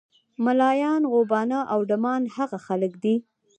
ملایان، غوبانه او ډمان هغه خلک دي.